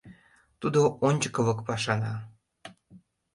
Тудо ончыкылык пашана.